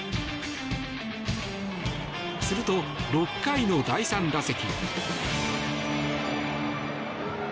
すると、６回の第３打席。